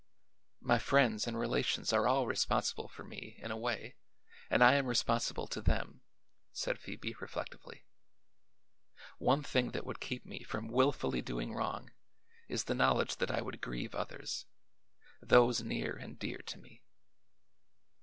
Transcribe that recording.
"My friends and relations are all responsible for me, in a way, and I am responsible to them," said Phoebe reflectively. "One thing that would keep me from willfully doing wrong is the knowledge that I would grieve others those near and dear to me."